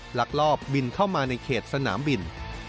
ลักลอบบินเข้ามาในเขตสนามบิน